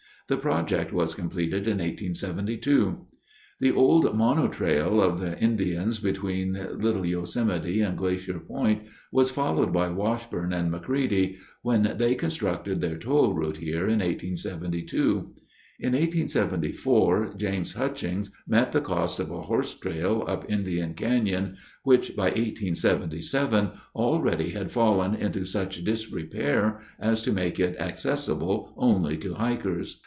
The project was completed in 1872. The old Mono Trail of the Indians between Little Yosemite and Glacier Point was followed by Washburn and McCready when they constructed their toll route here in 1872. In 1874, James Hutchings met the cost of a horse trail up Indian Canyon, which by 1877 already had fallen into such disrepair as to make it accessible only to hikers.